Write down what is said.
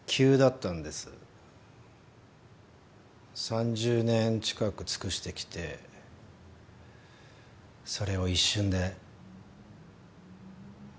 ３０年近く尽くしてきてそれを一瞬で。